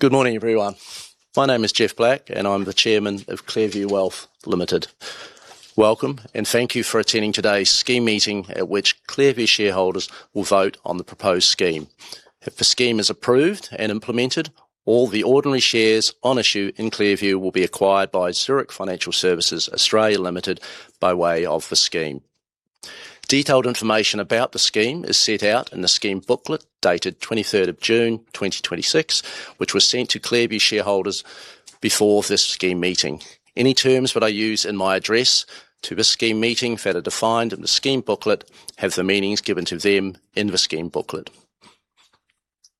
Good morning, everyone. My name is Geoff Black, I'm the Chairman of ClearView Wealth Limited. Welcome, thank you for attending today's scheme meeting at which ClearView shareholders will vote on the proposed scheme. If the scheme is approved and implemented, all the ordinary shares on issue in ClearView will be acquired by Zurich Financial Services Australia Limited by way of the scheme. Detailed information about the scheme is set out in the scheme booklet dated 23rd of June 2026, which was sent to ClearView shareholders before this scheme meeting. Any terms that I use in my address to the scheme meeting that are defined in the scheme booklet have the meanings given to them in the scheme booklet.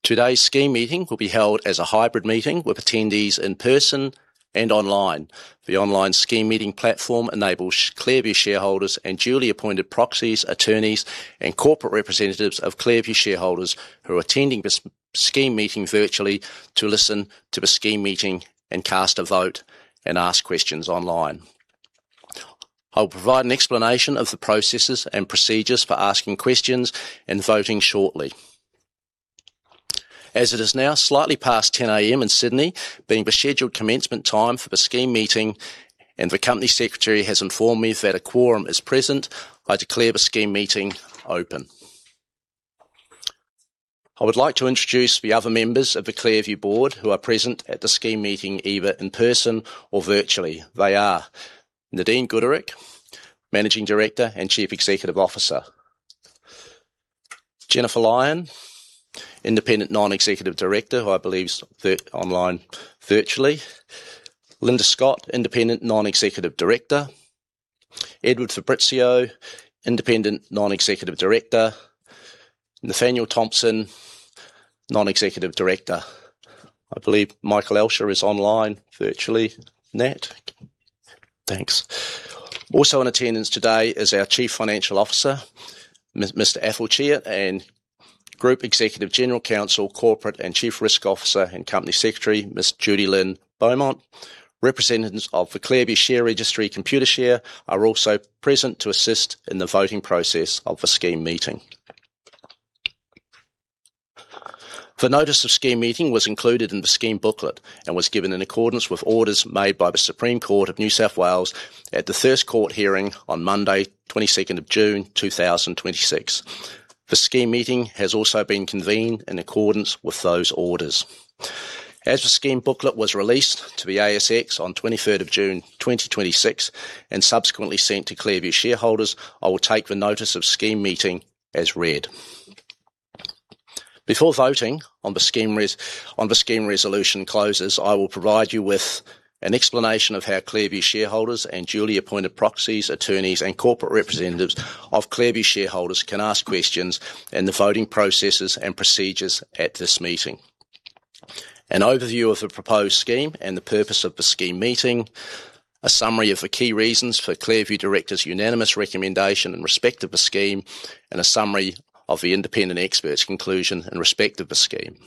Today's scheme meeting will be held as a hybrid meeting with attendees in person and online. The online scheme meeting platform enables ClearView shareholders, duly appointed proxies, attorneys, and corporate representatives of ClearView shareholders who are attending the scheme meeting virtually to listen to the scheme meeting, cast a vote, and ask questions online. I'll provide an explanation of the processes and procedures for asking questions and voting shortly. As it is now slightly past 10:00 A.M. in Sydney, being the scheduled commencement time for the scheme meeting, the Company Secretary has informed me that a quorum is present, I declare the scheme meeting open. I would like to introduce the other members of the ClearView Board who are present at the scheme meeting either in person or virtually. They are Nadine Gooderick, Managing Director and Chief Executive Officer. Jennifer Lyon, Independent Non-Executive Director, who I believe is online virtually. Linda Scott, Independent Non-Executive Director. Edward Fabrizio, Independent Non-Executive Director. Nathanial Thomson, Non-Executive Director. I believe Michael Alscher is online virtually. Nat? Thanks. Also in attendance today is our Chief Financial Officer, Mr. Athol Chiert, Group Executive, General Counsel, Corporate and Chief Risk Officer and Company Secretary, Ms. Judilyn Beaumont. Representatives of the ClearView share registry, Computershare, are also present to assist in the voting process of the scheme meeting. The notice of scheme meeting was included in the scheme booklet, was given in accordance with orders made by the Supreme Court of New South Wales at the first court hearing on Monday 22nd of June 2026. The scheme meeting has also been convened in accordance with those orders. As the scheme booklet was released to the ASX on 23rd of June 2026, subsequently sent to ClearView shareholders, I will take the notice of scheme meeting as read. Before voting on the scheme resolution closes, I will provide you with an explanation of how ClearView shareholders, duly appointed proxies, attorneys, and corporate representatives of ClearView shareholders can ask questions and the voting processes and procedures at this meeting. An overview of the proposed scheme, the purpose of the scheme meeting. A summary of the key reasons for ClearView Directors' unanimous recommendation in respect of the scheme, a summary of the independent expert's conclusion in respect of the scheme.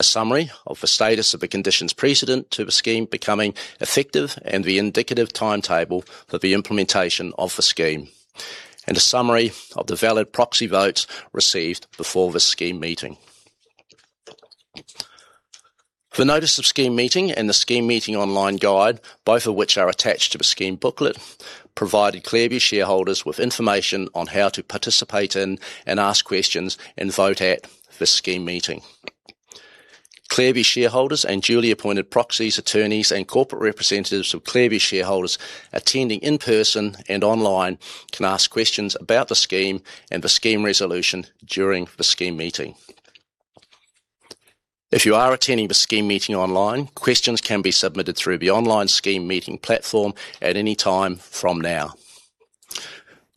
A summary of the status of the conditions precedent to the scheme becoming effective, the indicative timetable for the implementation of the scheme, and a summary of the valid proxy votes received before the scheme meeting. The notice of scheme meeting and the scheme meeting online guide, both of which are attached to the scheme booklet, provided ClearView shareholders with information on how to participate in and ask questions and vote at the scheme meeting. ClearView shareholders and duly appointed proxies, attorneys, and corporate representatives of ClearView shareholders attending in person and online can ask questions about the scheme and the scheme resolution during the scheme meeting. If you are attending the scheme meeting online, questions can be submitted through the online scheme meeting platform at any time from now.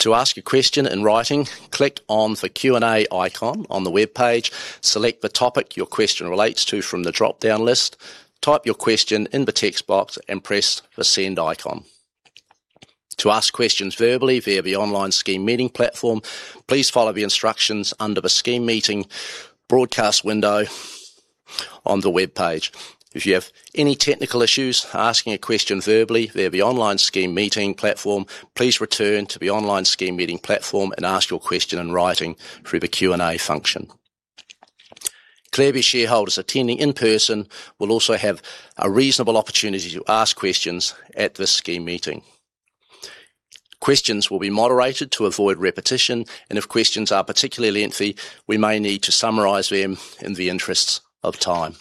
To ask a question in writing, click on the Q&A icon on the webpage, select the topic your question relates to from the drop-down list, type your question in the text box and press the send icon. To ask questions verbally via the online scheme meeting platform, please follow the instructions under the scheme meeting broadcast window on the webpage. If you have any technical issues asking a question verbally via the online scheme meeting platform, please return to the online scheme meeting platform and ask your question in writing through the Q&A function. ClearView shareholders attending in person will also have a reasonable opportunity to ask questions at the scheme meeting. Questions will be moderated to avoid repetition, and if questions are particularly lengthy, we may need to summarize them in the interests of time.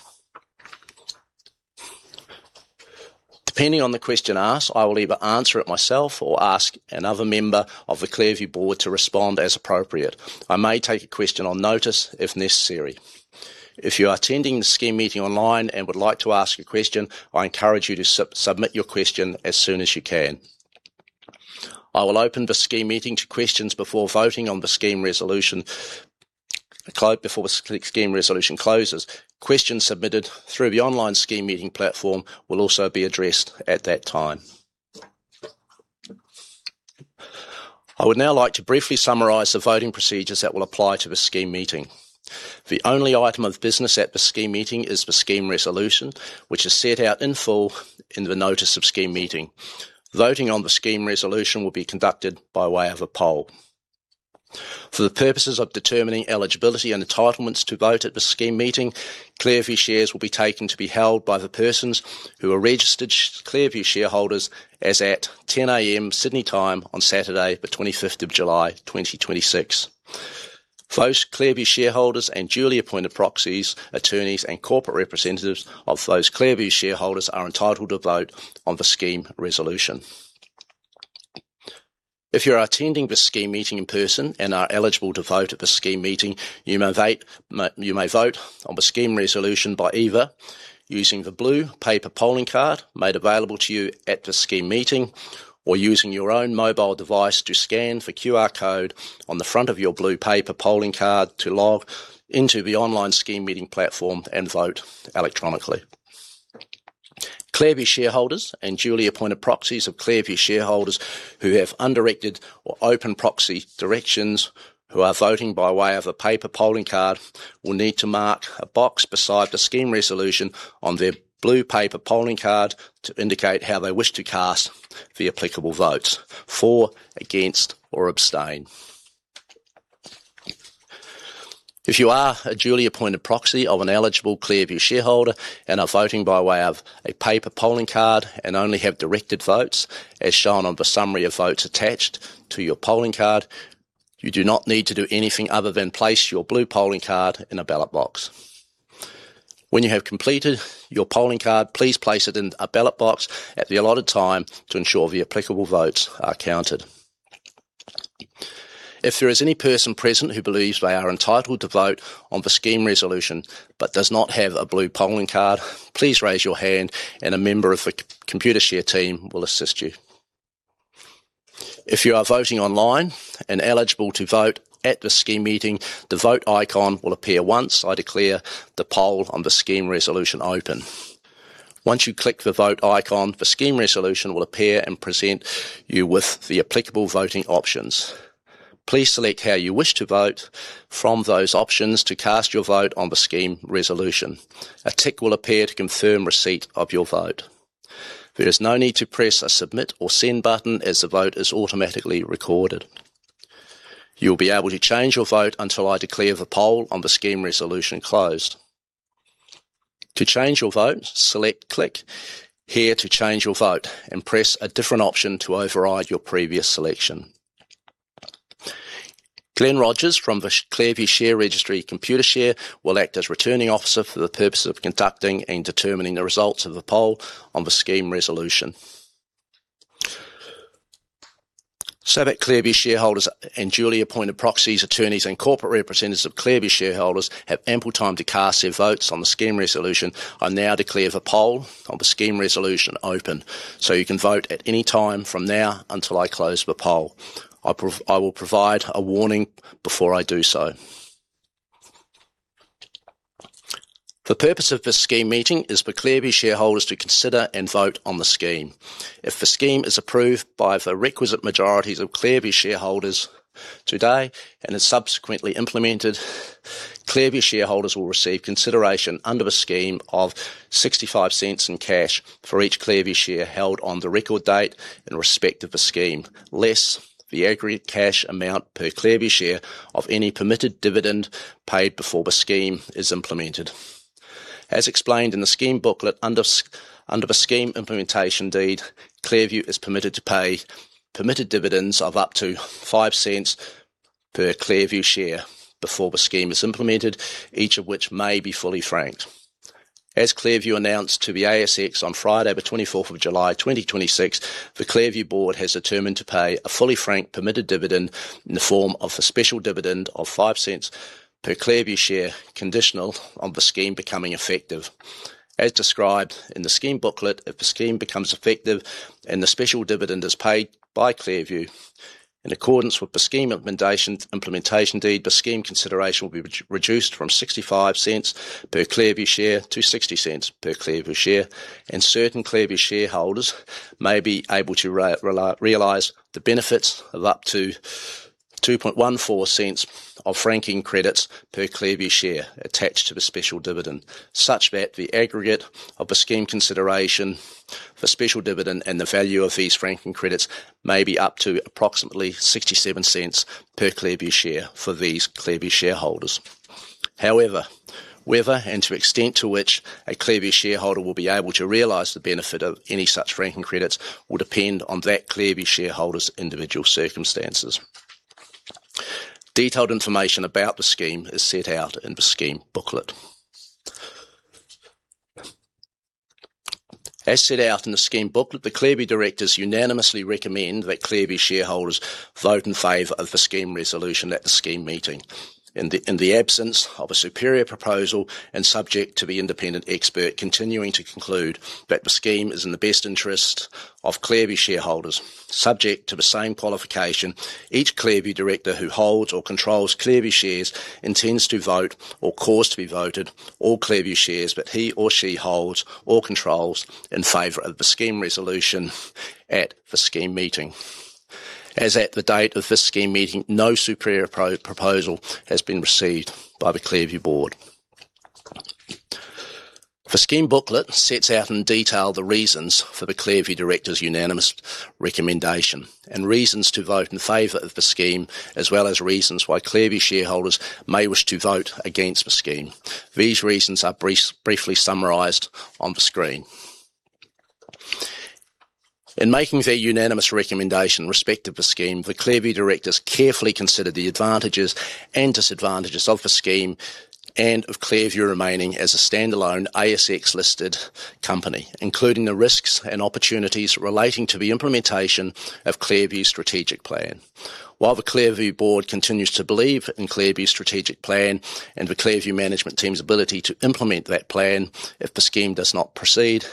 Depending on the question asked, I will either answer it myself or ask another member of the ClearView Board to respond as appropriate. I may take a question on notice if necessary. If you are attending the scheme meeting online and would like to ask a question, I encourage you to submit your question as soon as you can. I will open the scheme meeting to questions before voting on the scheme resolution closes. Questions submitted through the online scheme meeting platform will also be addressed at that time. I would now like to briefly summarize the voting procedures that will apply to the scheme meeting. The only item of business at the scheme meeting is the scheme resolution, which is set out in full in the notice of scheme meeting. Voting on the scheme resolution will be conducted by way of a poll. For the purposes of determining eligibility and entitlements to vote at the scheme meeting, ClearView shares will be taken to be held by the persons who are registered ClearView shareholders as at 10:00 A.M. Sydney time on Saturday the 25th of July 2026. Those ClearView shareholders and duly appointed proxies, attorneys, and corporate representatives of those ClearView shareholders are entitled to vote on the scheme resolution. If you are attending the scheme meeting in person and are eligible to vote at the scheme meeting, you may vote on the scheme resolution by either using the blue paper polling card made available to you at the scheme meeting or using your own mobile device to scan the QR code on the front of your blue paper polling card to log into the online scheme meeting platform and vote electronically. ClearView shareholders and duly appointed proxies of ClearView shareholders who have undirected or open proxy directions who are voting by way of a paper polling card will need to mark a box beside the scheme resolution on their blue paper polling card to indicate how they wish to cast the applicable votes: for, against, or abstain. If you are a duly appointed proxy of an eligible ClearView shareholder and are voting by way of a paper polling card and only have directed votes as shown on the summary of votes attached to your polling card, you do not need to do anything other than place your blue polling card in a ballot box. When you have completed your polling card, please place it in a ballot box at the allotted time to ensure the applicable votes are counted. If there is any person present who believes they are entitled to vote on the scheme resolution but does not have a blue polling card, please raise your hand and a member of the Computershare team will assist you. If you are voting online and eligible to vote at the scheme meeting, the Vote icon will appear once I declare the poll on the scheme resolution open. Once you click the Vote icon, the scheme resolution will appear and present you with the applicable voting options. Please select how you wish to vote from those options to cast your vote on the scheme resolution. A tick will appear to confirm receipt of your vote. There is no need to press a Submit or Send button as the vote is automatically recorded. You'll be able to change your vote until I declare the poll on the scheme resolution closed. To change your vote, select Click here to change your vote and press a different option to override your previous selection. Glen Rogers from the ClearView Share Registry, Computershare, will act as Returning Officer for the purpose of conducting and determining the results of the poll on the scheme resolution. That ClearView shareholders and duly appointed proxies, attorneys, and corporate representatives of ClearView shareholders have ample time to cast their votes on the scheme resolution, I now declare the poll on the scheme resolution open. You can vote at any time from now until I close the poll. I will provide a warning before I do so. The purpose of this scheme meeting is for ClearView shareholders to consider and vote on the scheme. If the scheme is approved by the requisite majorities of ClearView shareholders today and is subsequently implemented, ClearView shareholders will receive consideration under the scheme of 0.65 in cash for each ClearView share held on the record date in respect of the scheme, less the aggregate cash amount per ClearView share of any permitted dividend paid before the scheme is implemented. As explained in the scheme booklet, under the scheme Implementation Deed, ClearView is permitted to pay permitted dividends of up to 0.05 per ClearView share before the scheme is implemented, each of which may be fully franked. As ClearView announced to the ASX on Friday the 24th of July 2026, the ClearView Board has determined to pay a fully franked permitted dividend in the form of a special dividend of 0.05 per ClearView share, conditional on the scheme becoming effective. As described in the scheme booklet, if the scheme becomes effective and the special dividend is paid by ClearView in accordance with the scheme Implementation Deed, the scheme consideration will be reduced from 0.65 per ClearView share to 0.60 per ClearView share and certain ClearView shareholders may be able to realize the benefits of up to 0.0214 of franking credits per ClearView share attached to the special dividend, such that the aggregate of the scheme consideration for special dividend and the value of these franking credits may be up to approximately 0.67 per ClearView share for these ClearView shareholders. However, whether and to the extent to which a ClearView shareholder will be able to realize the benefit of any such franking credits will depend on that ClearView shareholder's individual circumstances. Detailed information about the scheme is set out in the scheme booklet. As set out in the scheme booklet, the ClearView Directors unanimously recommend that ClearView shareholders vote in favor of the scheme resolution at the scheme meeting. In the absence of a superior proposal and subject to the independent expert continuing to conclude that the scheme is in the best interest of ClearView shareholders. Subject to the same qualification, each ClearView Director who holds or controls ClearView shares intends to vote or cause to be voted all ClearView shares that he or she holds or controls in favor of the scheme resolution at the scheme meeting. As at the date of this scheme meeting, no superior proposal has been received by the ClearView Board. The scheme booklet sets out in detail the reasons for the ClearView Directors' unanimous recommendation and reasons to vote in favor of the scheme, as well as reasons why ClearView shareholders may wish to vote against the scheme. These reasons are briefly summarized on the screen. In making their unanimous recommendation in respect of the scheme, the ClearView Directors carefully considered the advantages and disadvantages of the scheme and of ClearView remaining as a standalone ASX-listed company, including the risks and opportunities relating to the implementation of ClearView's strategic plan. While the ClearView Board continues to believe in ClearView's strategic plan and the ClearView management team's ability to implement that plan if the scheme does not proceed,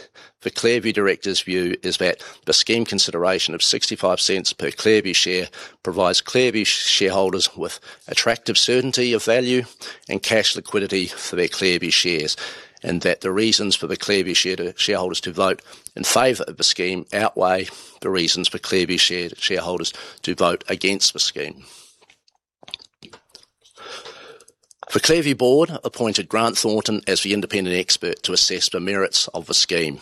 the ClearView Directors' view is that the scheme consideration of 0.65 per ClearView share provides ClearView shareholders with attractive certainty of value and cash liquidity for their ClearView shares, and that the reasons for the ClearView shareholders to vote in favor of the scheme outweigh the reasons for ClearView shareholders to vote against the scheme. The ClearView Board appointed Grant Thornton as the independent expert to assess the merits of the scheme.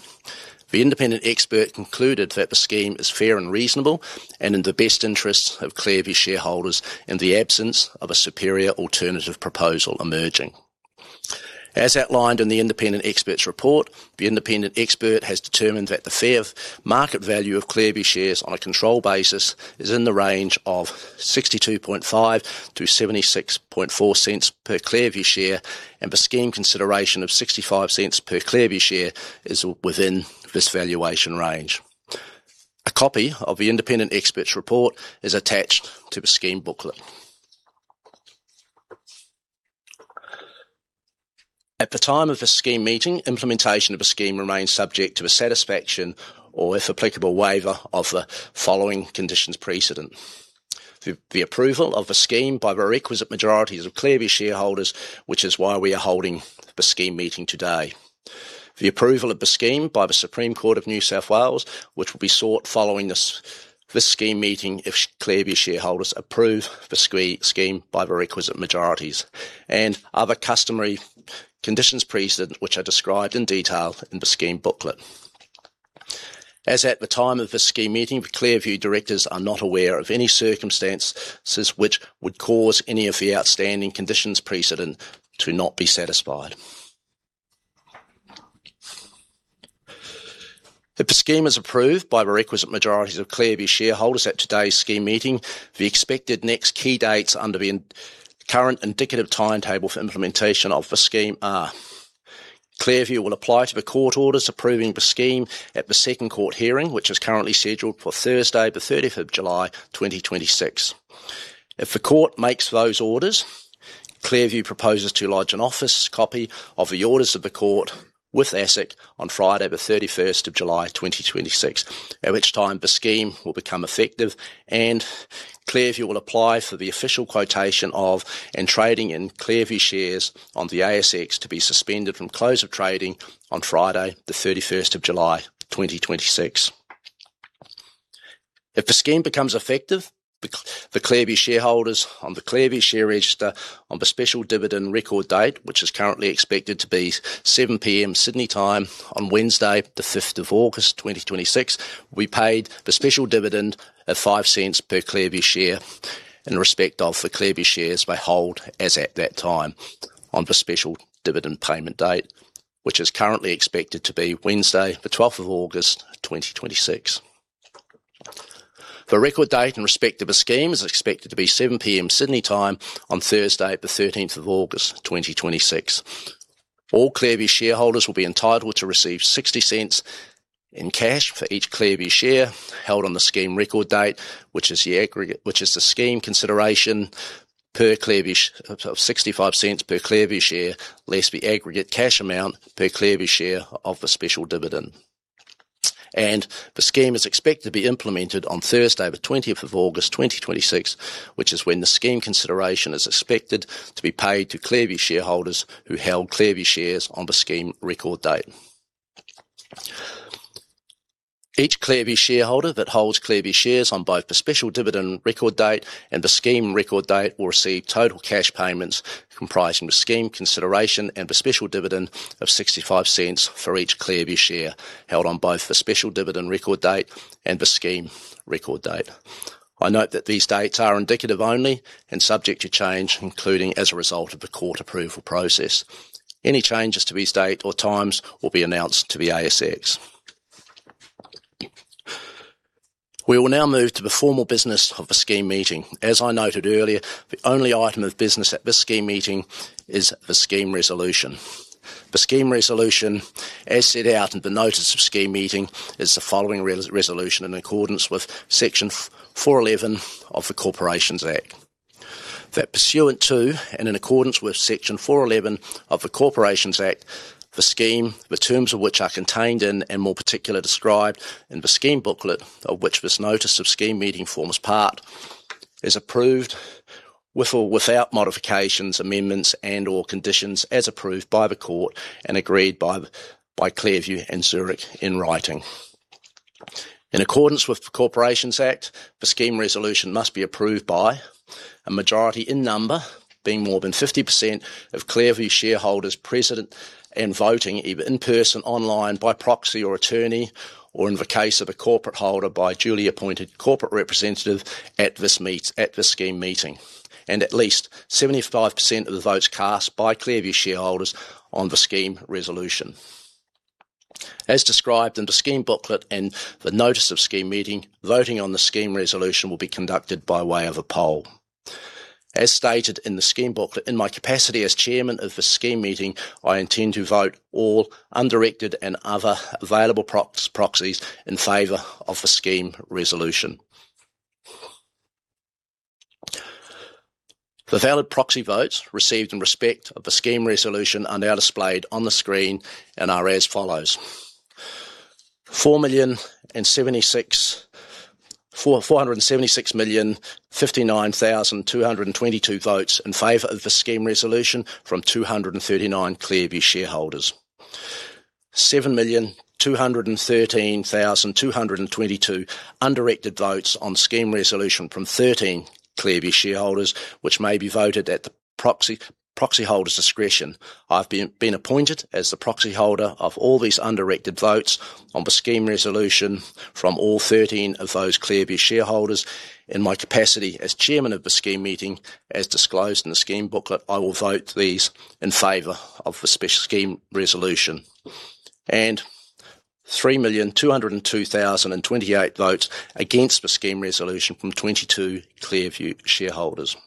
The independent expert concluded that the scheme is fair and reasonable and in the best interests of ClearView shareholders in the absence of a superior alternative proposal emerging. As outlined in the independent expert's report, the independent expert has determined that the fair market value of ClearView shares on a control basis is in the range of 0.625-0.764 per ClearView share, and the scheme consideration of 0.65 per ClearView share is within this valuation range. A copy of the independent expert's report is attached to the scheme booklet. At the time of the scheme meeting, implementation of the scheme remains subject to the satisfaction or, if applicable, waiver of the following conditions precedent. The approval of the scheme by the requisite majorities of ClearView shareholders, which is why we are holding the scheme meeting today. The approval of the scheme by the Supreme Court of New South Wales, which will be sought following this scheme meeting if ClearView shareholders approve the scheme by the requisite majorities. Other customary conditions precedent, which are described in detail in the scheme booklet. As at the time of the scheme meeting, the ClearView Directors are not aware of any circumstances which would cause any of the outstanding conditions precedent to not be satisfied. If the scheme is approved by the requisite majorities of ClearView shareholders at today's scheme meeting, the expected next key dates under the current indicative timetable for implementation of the scheme are: ClearView will apply to the court orders approving the scheme at the second court hearing, which is currently scheduled for Thursday the 30th of July, 2026. If the court makes those orders, ClearView proposes to lodge an office copy of the orders of the court with ASIC on Friday the 31st of July, 2026, at which time the scheme will become effective. ClearView will apply for the official quotation of and trading in ClearView shares on the ASX to be suspended from close of trading on Friday the 31st of July, 2026. If the scheme becomes effective, the ClearView shareholders on the ClearView share register on the special dividend record date, which is currently expected to be 7:00 P.M. Sydney time on Wednesday the 5th of August 2026, will be paid the special dividend of 0.05 per ClearView share in respect of the ClearView shares they hold as at that time on the special dividend payment date, which is currently expected to be Wednesday the 12th of August 2026. The record date in respect of the scheme is expected to be 7:00 P.M. Sydney time on Thursday the 13th of August 2026. All ClearView shareholders will be entitled to receive 0.60 in cash for each ClearView share held on the scheme record date, which is the scheme consideration of 0.65 per ClearView share less the aggregate cash amount per ClearView share of the special dividend. The scheme is expected to be implemented on Thursday the 20th of August 2026, which is when the scheme consideration is expected to be paid to ClearView shareholders who held ClearView shares on the scheme record date. Each ClearView shareholder that holds ClearView shares on both the special dividend record date and the scheme record date will receive total cash payments comprising the scheme consideration and the special dividend of 0.65 for each ClearView share held on both the special dividend record date and the scheme record date. I note that these dates are indicative only and subject to change, including as a result of the court approval process. Any changes to these dates or times will be announced to the ASX. We will now move to the formal business of the scheme meeting. As I noted earlier, the only item of business at this scheme meeting is the scheme resolution. The scheme resolution, as set out in the notice of scheme meeting, is the following resolution in accordance with Section 411 of the Corporations Act. That pursuant to and in accordance with Section 411 of the Corporations Act, the scheme, the terms of which are contained in and more particular described in the scheme booklet of which this notice of scheme meeting forms part, is approved with or without modifications, amendments, and/or conditions as approved by the court and agreed by ClearView and Zurich in writing. In accordance with the Corporations Act, the scheme resolution must be approved by a majority in number, being more than 50% of ClearView shareholders present and voting either in person, online, by proxy or attorney, or in the case of a corporate holder, by duly appointed corporate representative at this scheme meeting, and at least 75% of the votes cast by ClearView shareholders on the scheme resolution. As described in the scheme booklet and the notice of scheme meeting, voting on the scheme resolution will be conducted by way of a poll. As stated in the scheme booklet, in my capacity as Chairman of the scheme meeting, I intend to vote all undirected and other available proxies in favor of the scheme resolution. The valid proxy votes received in respect of the scheme resolution are now displayed on the screen and are as follows. 476,059,222 votes in favor of the scheme resolution from 239 ClearView shareholders. 7,213,222 undirected votes on scheme resolution from 13 ClearView shareholders, which may be voted at the proxy holder's discretion. I've been appointed as the proxy holder of all these undirected votes on the scheme resolution from all 13 of those ClearView shareholders. In my capacity as Chairman of the scheme meeting, as disclosed in the scheme booklet, I will vote these in favor of the scheme resolution. 3,202,028 votes against the scheme resolution from 22 ClearView shareholders.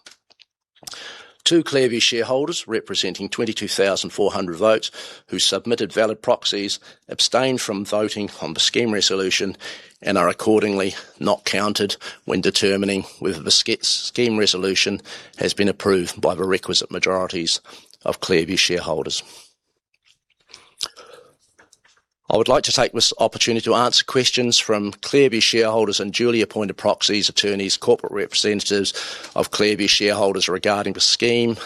Two ClearView shareholders representing 22,400 votes who submitted valid proxies abstained from voting on the scheme resolution and are accordingly not counted when determining whether the scheme resolution has been approved by the requisite majorities of ClearView shareholders. I would like to take this opportunity to answer questions from ClearView shareholders and duly appointed proxies, attorneys, corporate representatives of ClearView shareholders regarding the scheme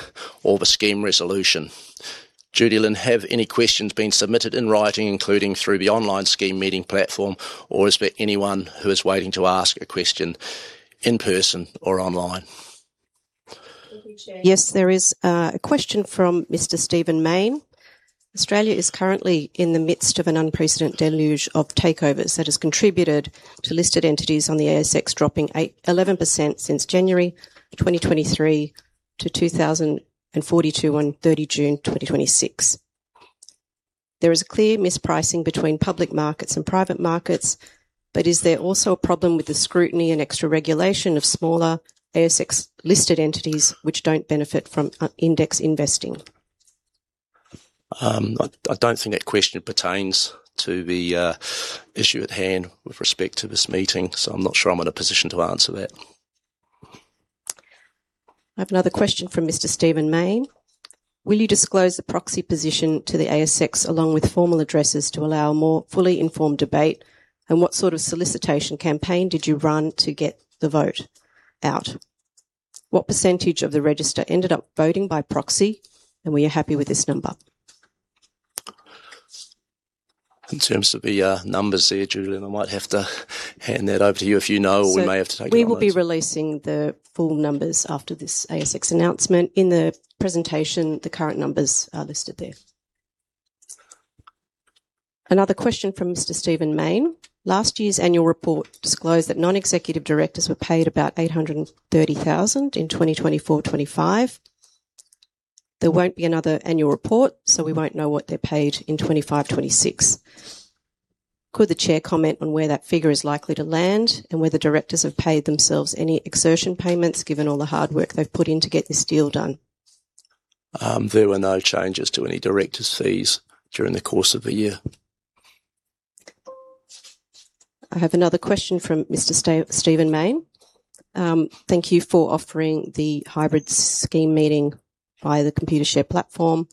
or the scheme resolution. Judilyn, have any questions been submitted in writing, including through the online scheme meeting platform, or is there anyone who is waiting to ask a question in person or online? Thank you, Chair. Yes, there is a question from Mr. Stephen Mayne. Australia is currently in the midst of an unprecedented deluge of takeovers that has contributed to listed entities on the ASX dropping 11% since January 2023 to 2,042 on 30 June 2026. Is there also a problem with the scrutiny and extra regulation of smaller ASX-listed entities which don't benefit from index investing? I don't think that question pertains to the issue at hand with respect to this meeting, I'm not sure I'm in a position to answer that. I have another question from Mr. Stephen Mayne. Will you disclose the proxy position to the ASX along with formal addresses to allow a more fully informed debate? What sort of solicitation campaign did you run to get the vote out? What percentage of the register ended up voting by proxy, and were you happy with this number? In terms of the numbers there, Judilyn, I might have to hand that over to you if you know, or we may have to take it on. We will be releasing the full numbers after this ASX announcement. In the presentation, the current numbers are listed there. Another question from Mr. Stephen Mayne. Last year's annual report disclosed that Non-Executive Directors were paid about 830,000 in 2024, 2025. There won't be another annual report, so we won't know what they're paid in 2025, 2026. Could the chair comment on where that figure is likely to land and whether Directors have paid themselves any exertion payments given all the hard work they've put in to get this deal done? There were no changes to any Directors' fees during the course of the year. I have another question from Mr. Stephen Mayne. Thank you for offering the hybrid scheme meeting via the Computershare platform.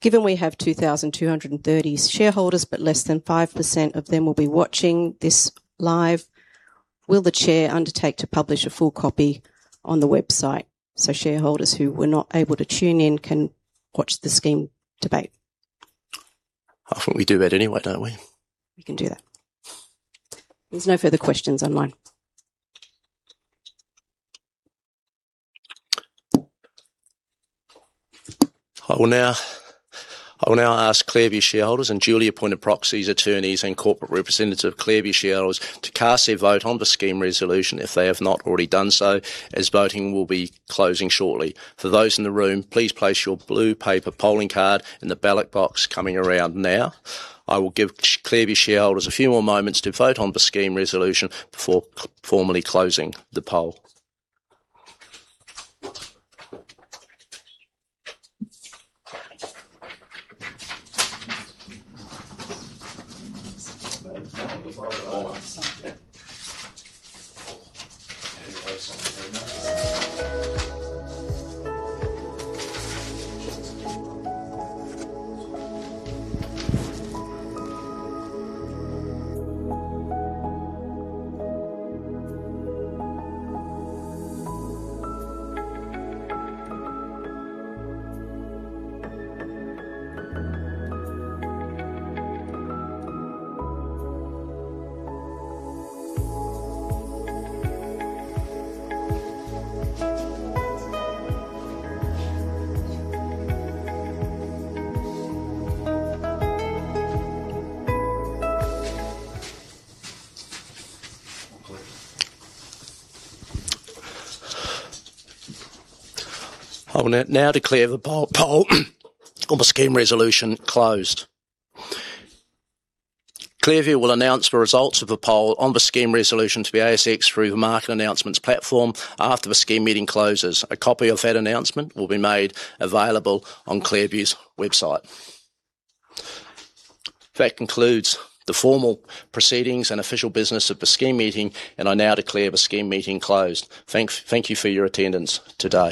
Given we have 2,230 shareholders but less than 5% of them will be watching this live, will the chair undertake to publish a full copy on the website so shareholders who were not able to tune in can watch the scheme debate? I think we do that anyway, don't we? We can do that. There's no further questions online. I will now ask ClearView shareholders and duly appointed proxies, attorneys, and corporate representatives of ClearView shareholders to cast their vote on the scheme resolution if they have not already done so, as voting will be closing shortly. For those in the room, please place your blue paper polling card in the ballot box coming around now. I will give ClearView shareholders a few more moments to vote on the scheme resolution before formally closing the poll. I will now declare the poll on the scheme resolution closed. ClearView will announce the results of the poll on the scheme resolution to the ASX through the market announcements platform after the scheme meeting closes. A copy of that announcement will be made available on ClearView's website. That concludes the formal proceedings and official business of the scheme meeting, and I now declare the scheme meeting closed. Thank you for your attendance today.